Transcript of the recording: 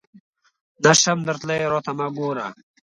نه شم درتلای ، راته مه ګوره !